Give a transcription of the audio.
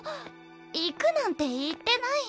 行くなんて言ってない。